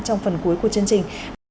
trong phần cuối của chương trình